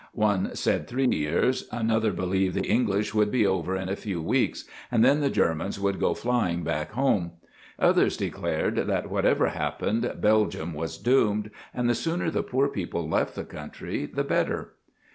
One said three years; another believed the English would be over in a few weeks, and then the Germans would go flying back home; others declared that, whatever happened, Belgium was doomed, and the sooner the poor people left the country the better.